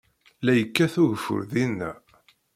La yekkat ugeffur dinna.